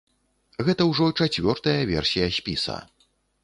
Гэта ўжо чацвёртая версія спіса.